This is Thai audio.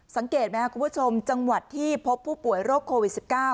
สังเกตไหมครับคุณผู้ชมจังหวัดที่พบผู้ป่วยโรคโควิด๑๙